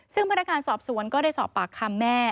ซึ่งพนักงานสอบสวนก็ได้สอบปากคำแม่